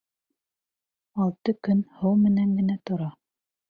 Алты көн һыу менән генә тора.